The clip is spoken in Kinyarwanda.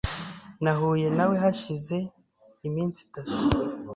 Nahuye nawe hashize iminsi itatu.